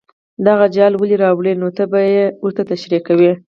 دغه جال ولې راولي نو ته به یې ورته تشریح کوې.